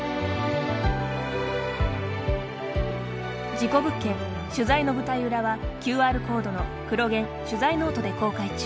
事故物件、取材の舞台裏はＱＲコードのクロ現、取材ノートで公開中。